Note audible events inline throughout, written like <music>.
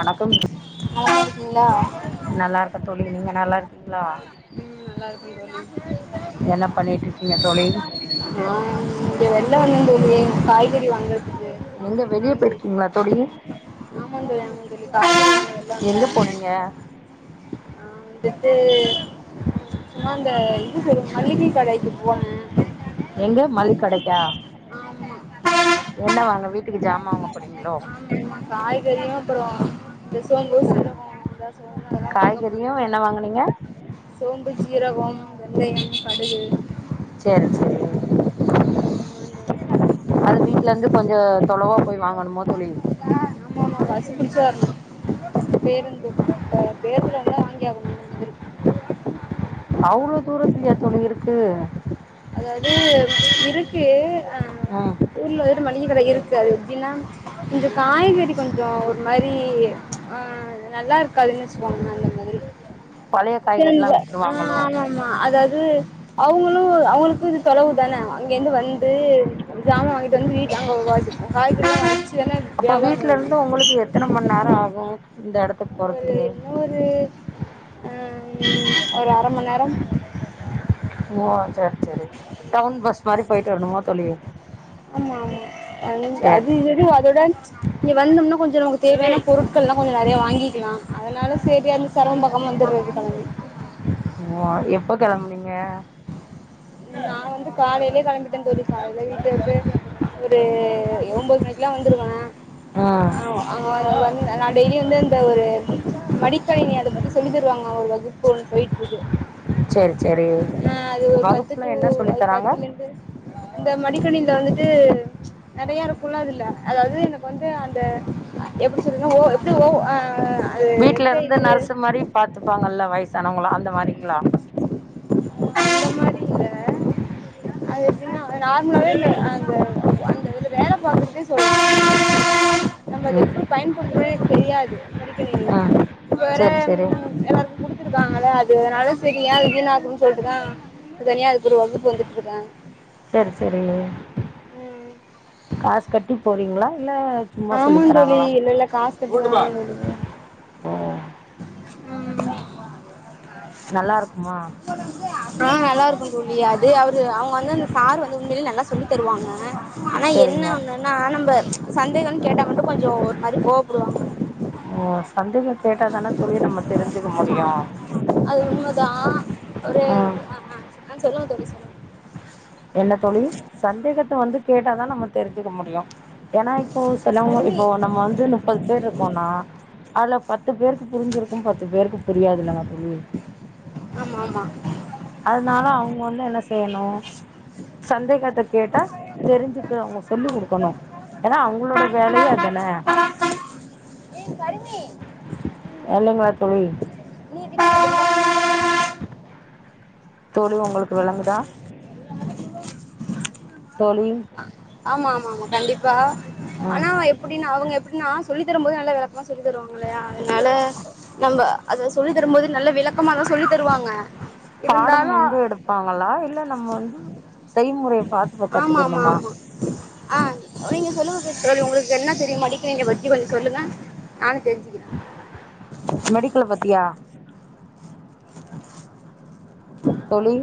வணக்கம் தோழி நல்லா இருக்க தோழி நீங்க நல்லா இருக்கீங்களா ம் நல்லா இருக்க என்ன பண்ணிட்டு தோழி இருக்கீங்க தோழி அப்றோ இங்க வெள்ள வந்த தோழி காய்கறி வாங்க எங்க வெளிய வாங்கி போயிருக்கீங்களா தோழி ஆமா தோழி ஆமா தோழி காய்கறி வாங்க வெள்ள வந்த எங்க போனீங்க நா வந்துட்டு சும்மா அந்த இது மளிகை கடைக்கு போன எங்க மல்லிக் கடைக்கா ஆமா என்ன வாங்க வீட்டுக்கு ஜாமா வாங்க போறீங்களோ ஆமா காய்கறியு அப்பறோ இந்த சோம்பும் சீரகோ த சோ அதலா வாங்க காய்கறியு போன என்ன வாங்குனீங்க சோம்பு சீரகம் வெந்தயம் கடுகு சேரி சேரிங்க அது வீட்ல இந்து கொஞ்ச தொலவா போய் வாங்கணுமோ தோழி <unintelligible> ஆமா ஆமா பசி புடிச்சு வரணு பேருந்து பேருந்துல இருந்தா வாங்கி ஆகணு அந்த மாதிரி அவ்ளோ தூரத்துலயா தோழி இருக்கு அதாது இருக்கு ம் ஊர்ல இரு மளிகக்கட இருக்கு அது எப்டின்னா இந்த காய்கறி கொஞ்சோ ஒரு மாரி ஆ நல்லா இருக்காதுன்னு வச்சுக்கோங்க அந்த மாதிரி பழைய காய்கறிலா <unintelligible> ஆ வித்துருவாங்களோ ஆமாம் ஆமா அதாவது அவங்களு அவங்களுக்கு இது தொலவு தான அங்கேந்து வந்து சாமான் வாங்கிட்டு வந்து வீட்டு அங்க காய்கறிளா வச்சு தான அப்ப வியாபாரம் வீட்ல இருந்து பண்ணனு உங்களுக்கு எத்தன மண் நேரோ ஆகு இந்த எடத்துக்கு போறதுக்கு இது ஆ ஒரு அர மண் நேரம் ஓ சரி சரி டவுன் பஸ் மாரி போயிட்டு வரணுமா தோழி ஆமா ஆமா அ சேரி அது இது அதோடன் இங்க வந்தோம்னா கொஞ்ச நமக்கு தேவையான பொருட்கள்லா கொஞ்ச நெறையா வாங்கிக்லா அதனால சேரி அந்த செரம பாக்காம வந்தர்றது கெளம்பி ஓ எப்ப கெளம்புனீங்க நா வந்து காலைலே கெளம்பிட்டே தோழி கால்ல வீட்ல இருந்து ஒரு ஒம்போது மணிக்குலா வந்துருவே ஆ ஆ அங்க வர வந் நா டெய்லி வந்து அந்த ஒரு மடிக்கணினி அதப் பத்தி சொல்லித் தருவாங்க ஒரு வகுப்புன் பொயிட்ருக்கு சேரி சேரி ஆ அது ஒரு பத்து வகுப்புல டூ என்ன சொல்லி அது தராங்க பத்துலந்து ஒரு இந்த மடிக்கணினில வந்துட்டு நெறையா இருக்குல அதுல அதாது எனக்கு வந்து அந்த எப்டி சொல்லது ஓ எப்டி ஓ ஆ அது வீட்ல எப்டி இருந்து இது நர்ஸு மாரி பாத்துப்பாங்கல்ல வயசானவங்களா அந்த மாரிங்ளா அந்த மாரி இல்ல அது எப்டினா நார்மலாவே அந்த அது நேர பாத்துகிட்டே சொல் நம்ம அத ம் எப்டி பயன்படுத்துனே எனக்கு தெரியாது மடிக்கணினிய ம் இப்ப வேற சேரி சேரி எல்லார்க்கும் குடுத்துருக்காங்கல அது அதனால செரி ஏ வீணாக்குனு சொல்ட்டுதா தனியா அதுக்கு ஒரு வகுப்பு வந்துட் இதா செர் சரி காஸ் கட்டிப் போறீங்களா இல்ல சும்மா சொல்லித் த ஆமாந் தோழி இல்ல இல்ல காசு ஓ நல்லா இருக்குமா ம் ஆ நல்லாருக்கு தோழி அது அ வுங்க வந்து அந்த சார் வந்து உண்மையிலே நல்லா சொல்லித் தருவாங்க ஆனா என்ன சேரிங்க ஒன்னு ஆனா நம்ப சந்தேகன் கேட்டா மட்டு கொஞ்சோ ஒரு மாரி கோவப்படுவாங்க ஓ சந்தேக கேட்டா தானே தோழி நம்ம தெரிஞ்சுக்க முடியு அது உண்மதா ஒரு ம் ஆ ஆ சொல்லுங்க தோழி சொல்லுங் என்ன தோழி சந்தேகத்த வந்து கேட்டாதா நம்ம தெரிஞ்சுக்க முடியு ஏனா இப்போ செலவங்க கருமி இப்போ நம்ம வந்து முப்பது பேர் இருக்கோனா அதுல பத்து பேருக்கு புரிஞ்சிருக்கு பத்து பேருக்கு புரியாதில்லங்க தோழி ஆமா ஆமா அதனால அவுங்க வந்து என்ன செய்ணு சந்தேகத்த கேட்டா தெரிஞ்சுக்க அவுங்க சொல்லி குடுக்கணு ஏனா அவங்களோட வேலயே அதானே கருமி என்னங்க தோழி நீ <unintelligible> தோழி ஒங்ளுக்கு வெளங்குதா தோழி அ ஆமா ஆமா ஆமா கண்டிப்பா ம் ஆனா எப் டினா அவுங் எப்டினா சொல்லிதர போதே நல்லா வெளக்கமா சொல்லி தருவாங்க இல்லயா அதுனால நம்ம அத சொல்லிதர போது நல்லா விளக்கமாதா சொல்லி தருவாங்க பாடம் இருந்தாலும் வந்து எடுப்பாங்களா இல்ல நம்ம வந்து செய்முறை ஆமா ஆமா ஆமா ஆ அ நீங்க சொல்லுங்க சிஸ்டர் உங்ளுக்கு என்ன தெரியும் மெடிக்கல் லைனா பத்தி கொஞ்சோ சொல்லுங்க நானு தெரிஞ்சி மெடிக்கல்ல பத்தியா தோழி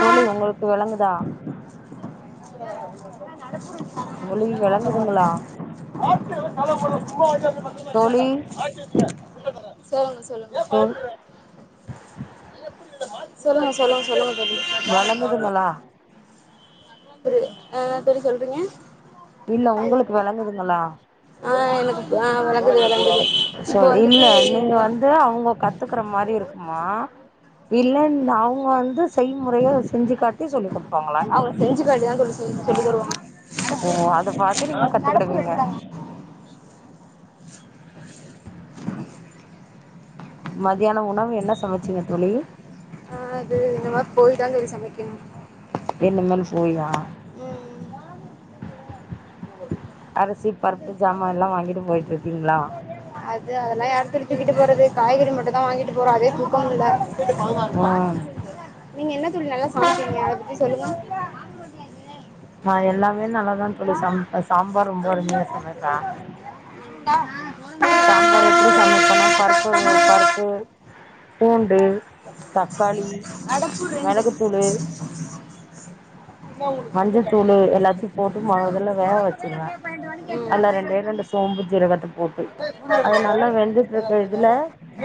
தோழி உங்களுக்கு வெளங்குதா தோழி வெளங்குதுங்ளா <unintelligible> <unintelligible> தோழி <unintelligible> சொல்லுங்க சொல்லுங்க தோ சொல்லுங்க சொல்லுங்க சொல்லுங்க தோழி வெளங்குதுங்களா புரில ஆ நா தோழி சொல்றிங்க இல்ல உங்ளுக்கு வெளங்குதுங்களா ஆ ஆ எனக்கு பு வெளங்குது வெளங்குது சோ இல்ல நீங்க வந்து அவுங்க கத்துக்குற மாரி இருக்குமா இல்லனா அவுங்க வந்து செய்முறையா செஞ்சு காட்டி சொல்லி குடுப்பாங்களான்னு கேட்ட செஞ்சி காட்டி தா தோழி சொல் சொல்லி தருவாங்க ஓ அத பாத்து நீங்க கத்துக்கிடுவீங்க மத்தியானோ உணவு என்ன சமச்சிங்க தோழி ஆ அது இன்மே போய்தாங்க அது சமைக்கணு இன்னிமேல் போயா அரிசி பருப் ஜாமான்லா வாங்கிட்டு போயிட்டிருக்கீங்ளா அது அதெல்லா யாரு தோழி தூக்கிட்டு போறது காய்கறி மட்டுதா வாங்கிட்டு போற அதே தூக்கமுல்ல ம் நீங்க என்ன தோழி நல்லா சாமைப்பிங்க அத பத்தி சொல்லுங்க நா எல்லாமே நல்லாதா தோ சம்பே சாம்பார் ரொம்ப அருமையா சமைப்பே ம் சாம்பார் எப்டி சமைப்பேனா பருப்பு பருப்பு பூண்டு தக்காளி <unintelligible> அடுப்பு ரெண்டு மிளகுத்தூளு மஞ்சத்தூளு எல்லாத்தையும் போட்டு மொதல்ல வேக வச்சிருவே ம் அதுல ரெண்டே ரெண்டு சோம்பு ஜீரகத்த போட்டு அது நல்லா வெந்துட்டு <unintelligible> இருக்க இதுல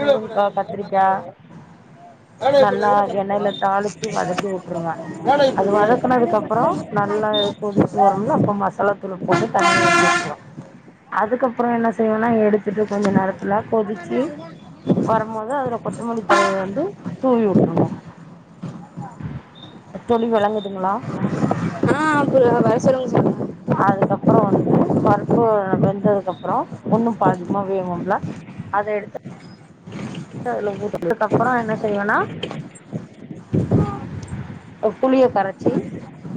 முருங்கா கத்திரிக்கா நல்லா எண்ணெயில தாளிச்சு வதக்கி <unintelligible> அப்றோ நல்லா அது கொதிச்சி வரும்ல அப்போ மசாலா தூள போட்டு தண்ணிய ஊத்திவுட்றுன்னு அதுக்கப்றோ என்ன செய்வேனா எடுத்துட்டு கொஞ்ச நேரத்துல கொதிச்சி வரும் போது அதுல கொத் கொத்தமல்லி தளய வந்து தூவிவுட்ருணு தோழி வெளங்குதுங்ளா ஆ புரிது வர சொல்லுங்க சொல்லுங்க அதுக்கப்றோ வந்து பருப்பு வெந்ததுக்கு அப்றோ ஒண்ணு பாதியுமா வேகும்ல அத எடுத்து அதுல ஊத்தனு அப்பறோ என்ன செய்வேனா ஒரு புளிய கரச்சி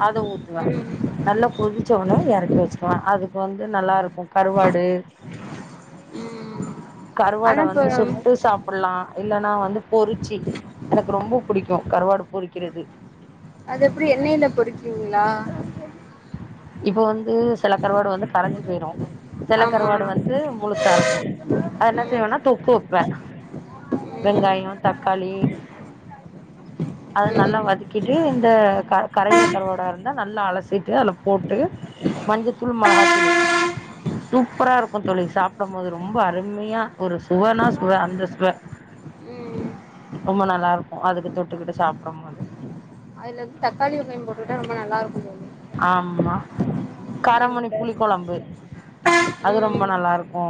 அத ஊத்துவ நல்லா கொதுச்ச ஒனே எறக்கி வெச்சுக்குவே அதுக்கு வந்து நல்லா இருக்கும் கருவாடு ம் கருவாட ஆனா வந்து இப்ப சுட்டு சாப் புல்லா இல்லன்னா வந்து பொறுச்சி எனக்கு ரொம்போ பிடிக்கு கருவாடு பொறிக்கிறது அது எப்பிடி எண்ணெயில்ல பொறிப்பீங்களா இப்ப வந்து சில கருவாடு வந்து கரஞ்சு போயிரு சில ஆமா கருவாடு வந்து முழுசா இருக்கு அது ம் என்ன ம் செய்வனா தொக்கு வெப்பே ம் வெங்காயொ தக்காளி அது நல்லா வதக்கிட்டு இந்த க கரயிற கருவாடா இ ந்தா நல்லா அலசிட்டு அதுல போட்டு மஞ்சத்தூள் மொளகாத்தூள் சூப்பரா இருக்கு தோழி சாப்புடும் போது ரொம்ப அருமையா ஒரு சுவனா சுவ அந்த சுவ ம் ரொம்ப நல்லா இருக்கு அதுக்கு தொட்டுக்கிட்டு சாப்புடும் போது அதுல ந்து தக்காளி வெங்காயொம் போட்டுக்குட்டா ரொம்ப நல்லா இருக்குந்தோழி ஆமா காரமணி இந்த புளி கொழம்பு அது ரொம்ப ம் நல்லாருக்கு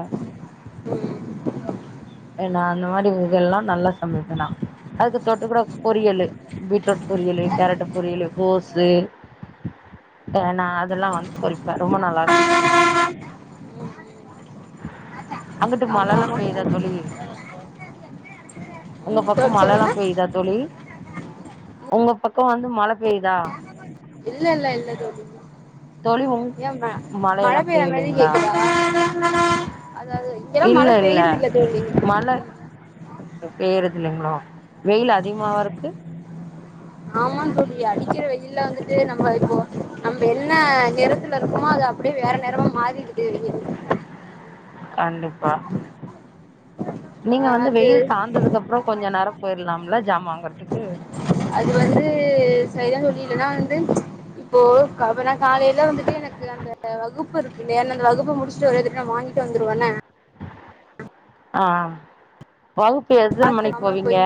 ம் ஏ நா அந்த மாரி உ இது எல்லா நல்லா சமப்பே நா அது தொட்டுகறக் பொரியலு பீட்ரூட் பொரியல்லு கேரட் பொரியலு கோசு ஆ நா அதெல்லா வந்து பொறிப்பே ரொம்ப நல்லா இருக்கு ஆமா ஆமா பேயிதா தோழி உங்க ம் பக்கம் தோழி மழல்லா சொல்லுங்க பேயிதா தோழி உங்க பக்கொம் வந்து மழ பேயிதா இல்ல இல்ல இல்ல தோழி தோழி உங் ஏம்மா மழ மழையெல்லா பேய்ற மாரி பெய்யலைங்களா கேக்குதா அது அது இங்கெலா மழ பெய் த மழ பேய்றது இல்லங்கெமா வெயில் அதிக்மாவா இருக்கு ஆமாங் தோழி அடிக்கிற வெயில வந்துட்டு நம்ம இப்போ நம்ப என்ன நிறத்துல இருக்கமோ அத அ அப்டே வேற நெறமா மாறிடுது கண்டிப்பா அ நீங்க வந்து அது வெயில் தாழ்ந்ததுக்கு அப்பொறொ கொஞ்ச நேரொ போயர்லாம் என்ன ஜாமா வாங்றதுக்கு அது வந்து சரிதா தோழி இல்லனா வந்து இப்போ கவுனா காலேல வந்துட்டு எனக்கு அந்த வகுப்பு இருக்கு இலேயேன்னா அந்த வகுப்பு முடுச்சுட்டு ஒரே தடவயா மானிங் ட்டு வந்துருவனா ஆ வகுப்பு எத்தன மணிக்கு போவீங்க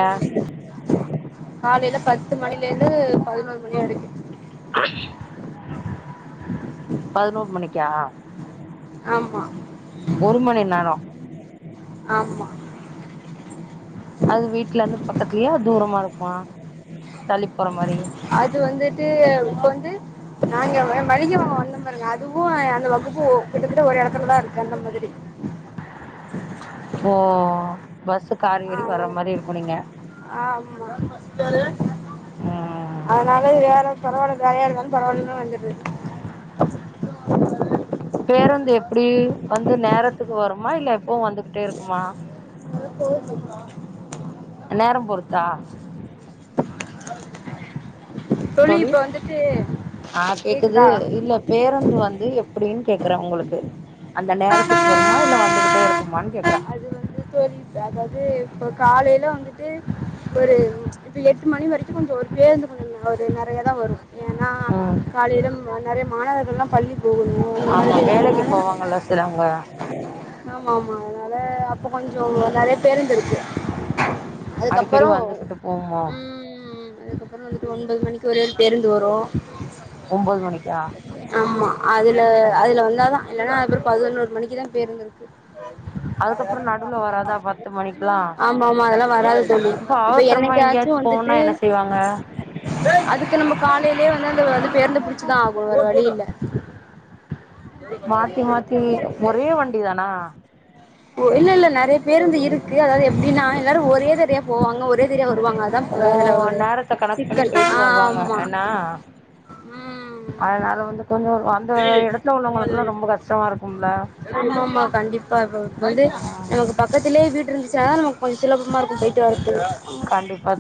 காலேல பத்து மணில இருந்து பதினோரு மணி வரெக்கு பதினோர் மணிக்கா ஆமா ஒரு மணி நேரோ ஆமா அது வீட்ல இருந்து பக்கத்லெயா தூரமா இருக்குமா தள்ளி போற மாரி அது வந்துட்டு இப்ப வந்து நாங்க வ மளிக வாங்க வந்தொம் பாருங்க அதுவு அ அ அந்த வகுப்பு ஒ கிட்டத்தட்ட ஒரு எடத்துலதா இருக்கு அந்த மாதிரி ஓ பஸ்ஸு காரு ஏறி ஆ வர்ற மாரி இருக்கு நீங்க ஆமா இப்பெல்லா ம் அதனால வேற பரவாலதாயே எதுவந் பரவாலன்னு வந்துட்டே பேருந்து எப்பிடி வந்து நேரத்துக்கு வருமா இல்ல எப்பவு வந்துகிட்டே இருக்குமா போதக்மா நேரம் பொறுத்தா தோழி இப்ப வந்துட்டு ஆ கேக்குது கேக்குதா இல்ல பேருந்து வந்து எப்பிடின்னு கேக்குற உங்களுக்கு அந்த நேரத்துக்கு வருமா இல்ல வந்துகிட்டே இரு குமானு கேக்கரா அது வந்து தோழி அதாவது இப்ப காலைல வந்துட்டு ஒரு இப்ப எட்டு மணி வரைக்கு கொஞ்சோ ஒரு பேருந்து கொஞ்சோ ஒரு நெறைய தா வரு எனா ம் காலையில நெறைய மாணவர்கள் எல்லா பள்ளி போகணும் அந்த ஆமா வேலைக்கு போவாங்கல்ல சிலவங்க ஆமா ஆமா அதுனால அப்ப கொஞ்சோ நெறைய பேருந்துருக்கு அடிக்கடி அதுக்கப்றோ வந்துகிட்டு போகுமோ ம் அதுக்கப்றோ வந்துட்டு ஒன்பது மணிக்கு ஒரே ஒரு பேருந்து வரு ஒம்போது மணிக்கா ஆமா அதுல அதுல வந்தாதா இல்லனா அதுப்றோ பதினொரு மணிக்கிதா பேருந்துருக்கு அதுக்கப்றோ ந டுல வராதா பத்து மணிக்குல்லா ஆமா ஆமா அதெல்லாம் வராது தோழி இப்ப அவசரமா என்னைக்காச்சும் எங்கயாச்சு போனா என்ன வந்துட்டு செய்வாங்க அதுக்கு நம்ப காலைலே வந்து அந்த அது பேருந்து பிடிச்சுதா ஆகுனு வேற வழி இல்ல மாத்தி மாத்தி ஒரே வண்டி தானா ஓ இல்லல்ல நெறைய பேருந்து இருக்கு அதாது எப்டின்னா எல்லாரு ஒரே தடியா போவாங்க ஒரே தடியா வருவாங்க அதா ஓ அதுல ஒரு நேரத்த கணக் பண்ணி சிக்கல் ஆ போயிட்டு வருவாங்க ஆமா ஏன்னா ம் அதுனால வந்து கொஞ்சோ அந்த எடத்துல உள்ளவங்களுகுல்லா ரொம்ப கஷ்டமா இருக்கும்ல ஆமா ஆமா கண்டிப்பா இப் இப்ப வந்து நமக்கு பக்கத்திலே வீடிருந்துச்சினா தா நமக்கு கொஞ்சோ சுலபமா இருக்கு போயிட்டு வரத்துக்கு கண்டிப்பா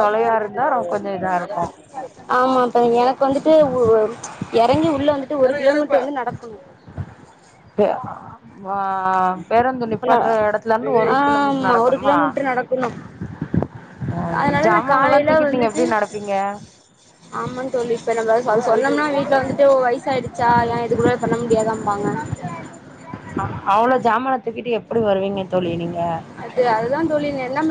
தொலையா இருந்தா ரொ- கொஞ்சம் இதா இருக்கும் ஆமா அப்ப எனக்கு வந்துட்டு உ எறங்கி உள்ள வந்துட்டு ஒரு கிலோமீட்டர் வந்து நடக்கணு அப்டியா ஆ பேருந்து நிப்பாட்ற எடத்துலருந்து ஒரு கிலோமீட் ஆமா ஒரு நடக்கணுமா கிலோமீட்டர் நடக்கணு அதனால நா ஜாமாங்கல்லா காலையில தூக்கிட் நீங்க எப்டி நடப்பீங்க ஆமா தோழி இப்ப நம்ம அத சொன்னம்னா வீட்ல வந்துட்டு வயிசாயிடுச்சா ஏன் இது கூட பண்ண முடியாதாம்பாங்க அவ்ளோ ஜாமானத்துக்கிட்டு எப்டி வருவீங்க தோழி நீங்க அது அதுதா தோழி நா என்ன